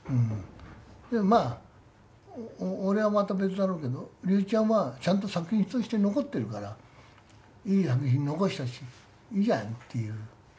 まあ、俺はまた別だろうけど龍一ちゃんはちゃんと作品として残ってるからいい作品を残したしいいじゃないのっていう。